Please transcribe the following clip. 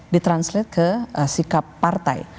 di translate ke sikap partai